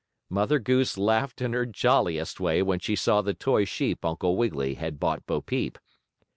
Mother Goose laughed in her jolliest way when she saw the toy sheep Uncle Wiggily had bought Bo Peep.